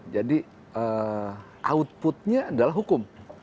jadi outputnya adalah hukum